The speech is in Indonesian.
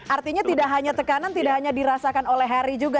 artinya tidak hanya tekanan tidak hanya dirasakan oleh harry juga